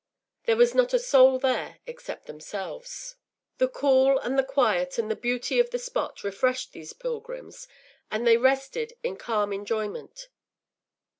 There was not a soul there except themselves; the cool and the quiet and the beauty of the spot refreshed these pilgrims, and they rested in calm enjoyment.